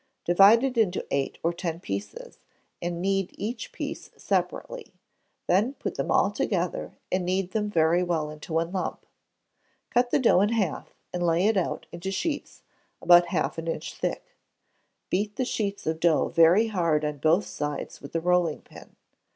Divide it into eight or ten pieces, and knead each piece separately. Then put them all together, and knead them very well into one lump. Cut the dough in half, and lay it out into sheets, about half an inch thick. Beat the sheets of dough very hard on both sides with the rolling pin.